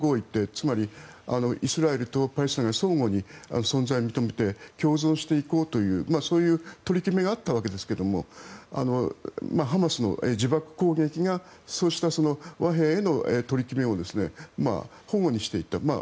つまりイスラエルとパレスチナが相互に存在を認めて共存していこうという取り決めがあったわけですがハマスの自爆攻撃がそうした和平への取り決めを反故にしていった。